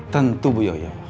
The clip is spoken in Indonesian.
tentu bu yoyo